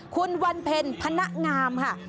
คุณวันเพ็ญพนักงามค่ะ